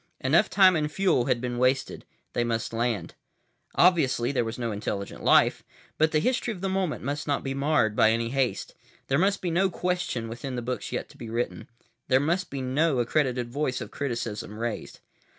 Enough time and fuel had been wasted. They must land. Obviously there was no intelligent life. But the history of the moment must not be marred by any haste. There must be no question within the books yet to be written. There must be no accredited voice of criticism raised.